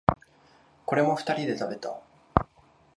これも二人で食べた。